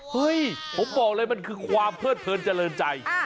เฮ้ยผมบอกเลยมันคือความเพิดเพลินเจริญใจ